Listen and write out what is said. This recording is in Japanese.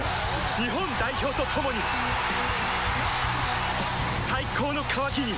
日本代表と共に最高の渇きにＤＲＹ